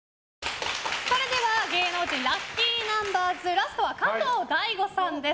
それでは芸能人ラッキーナンバーズラストは加藤大悟さんです。